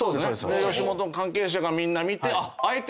吉本の関係者がみんな見て。